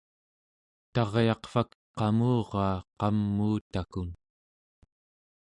taryaqvak qamuraa qamuutakun